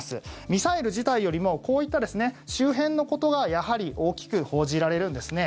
ミサイル自体よりもこういった周辺のことがやはり大きく報じられるんですね。